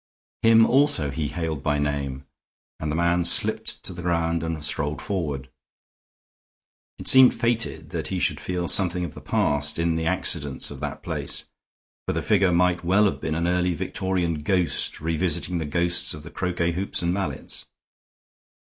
Him also he hailed by name, and the man slipped to the ground and strolled forward. It seemed fated that he should feel something of the past in the accidents of that place, for the figure might well have been an early Victorian ghost revisiting the ghosts of the croquet hoops and mallets.